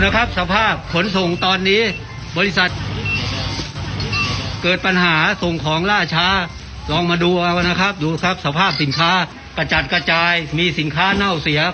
ขายใหญ่ทั้งโค้งค้างใครไม่ติดเลย